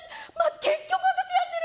結局、私やってる！